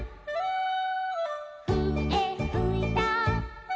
「ふえふいた」